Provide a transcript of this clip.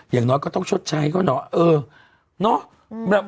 อย่างน้อยก็ต้องชดใช้เขาหน่อยเออเนอะ